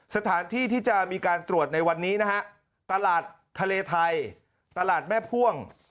สถานที่ที่จะมีการตรวจในวันนี้นะฮะตลาดทะเลไทยตลาดแม่พ่วง